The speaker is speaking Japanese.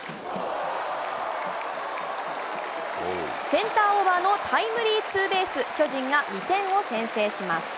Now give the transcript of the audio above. センターオーバーのタイムリーツーベース、巨人が２点を先制します。